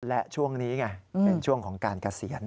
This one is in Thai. และช่วงนี้ไงเป็นช่วงของการเกษียณ